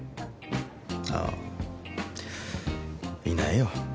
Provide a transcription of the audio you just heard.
あぁいないよ。